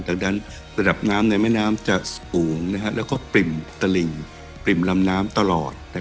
ดังนั้นระดับน้ำในแม่น้ำจะสูงแล้วก็ปริ่มตลิ่งปริ่มลำน้ำตลอด